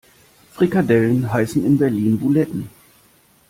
Frikadellen heißen in Berlin Buletten.